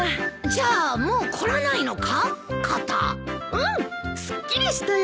うんすっきりしたよ。